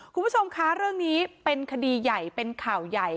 คุณผู้ชมคะเรื่องนี้เป็นคดีใหญ่เป็นข่าวใหญ่